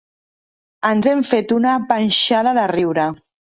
Ens hem fet una panxada de riure.